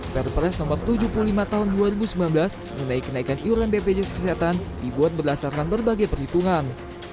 perpres nomor tujuh puluh lima tahun dua ribu sembilan belas mengenai kenaikan iuran bpjs kesehatan dibuat berdasarkan berbagai perhitungan